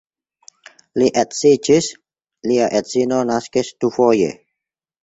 Li edziĝis, lia edzino naskis dufoje.